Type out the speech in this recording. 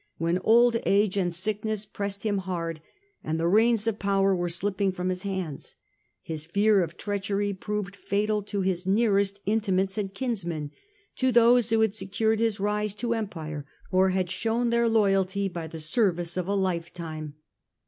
V/hen old age and sickness pressed him hard, and the reins of power were slipping from his hands, his fears of treachery proved fatal to his nearest intimates and kinsmen, to those who h.ad secured his rise to empire, or had shown their loyalty by the service of a life time.